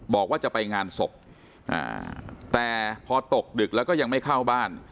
บอกว่าจะไปงานศพแต่พอตกดึกแล้วก็ยังไม่เข้าบ้าน